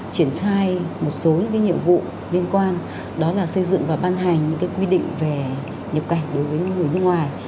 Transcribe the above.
triển khai một số nhiệm vụ liên quan đó là xây dựng và ban hành những quy định về nhập cảnh đối với người nước ngoài